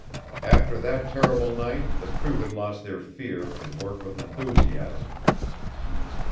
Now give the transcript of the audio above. After that terrible night the crew had lost their fear and worked with enthusiasm.